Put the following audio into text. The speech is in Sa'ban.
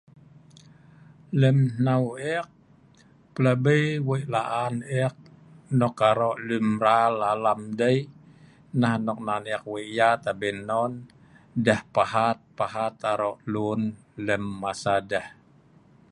Lem hnau ek pelabi wei' la'an ek nok aro' leunmral alam dei, nah nok nan ek wei' yat abin non, deh pahat-pahat aro' lun lem masa deh.